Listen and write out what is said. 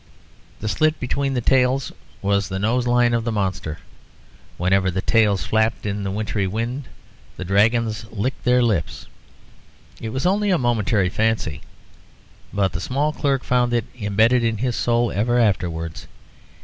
The slit between the tails was the nose line of the monster: whenever the tails flapped in the winter wind the dragons licked their lips. It was only a momentary fancy, but the small clerk found it imbedded in his soul ever afterwards.